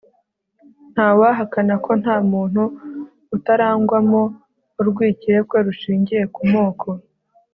ntawahakana ko nta muntu utarangwamo urwikekwe rushingiye ku moko